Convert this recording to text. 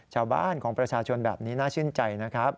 ชาวบ้านของประชาชนแบบนี้น่าชื่นใจนะครับ